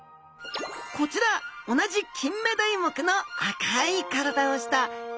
こちら同じキンメダイ目の赤い体をしたエビスダイちゃん。